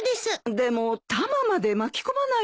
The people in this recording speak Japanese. でもタマまで巻き込まないでおくれよ。